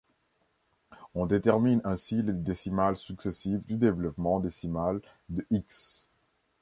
On détermine ainsi les décimales successives du développement décimal de x.